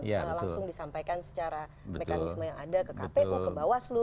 langsung disampaikan secara mekanisme yang ada ke kpu ke bawaslu